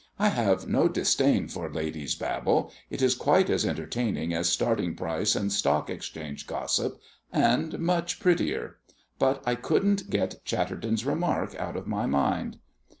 I have no disdain for ladies' babble it is quite as entertaining as starting price and stock exchange gossip, and much prettier. But I couldn't get Chatterton's remark out of my mind.